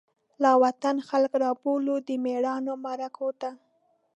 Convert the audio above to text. لاوطن خلک رابولی، دمیړانومعرکوته